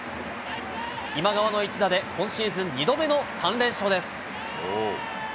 今川の一打で、今シーズン２度目の３連勝です。